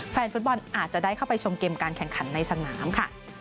แฟนฟุตบอลอาจจะได้เข้าไปชมเกมการแข่งขันในสนามค่ะ